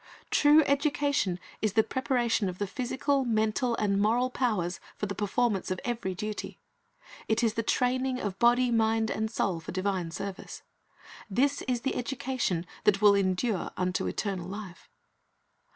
True education is the preparation of the physical, mental, and moral powers for the performance of every duty; it is the training of body, mind, and soul for divine service. This is the education that will endure unto eternal life.